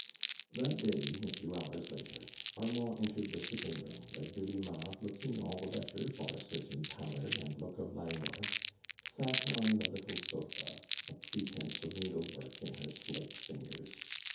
That day, a few hours later, Armand en tered the sitting room, where Dehma, look ing all tlie better for a certain pallor and look of languor, sat on the little sofa, a pretenet'of needle work in her slight fingers.